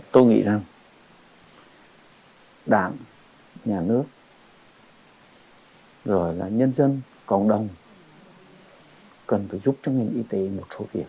tôi nghĩ rằng đảng nhà nước rồi là nhân dân cộng đồng cần phải giúp cho ngành y tế một số việc